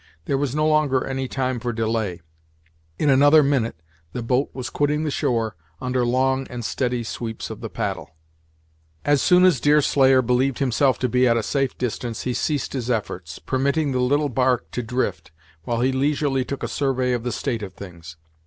There was no longer any time for delay; in another minute the boat was quitting the shore under long and steady sweeps of the paddle. As soon as Deerslayer believed himself to be at a safe distance he ceased his efforts, permitting the little bark to drift, while he leisurely took a survey of the state of things.